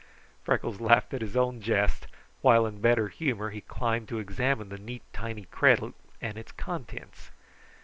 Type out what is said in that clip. Freckles laughed at his own jest, while in better humor he climbed to examine the neat, tiny cradle and its contents.